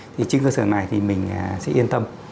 thì trên cơ sở này thì mình sẽ yên tâm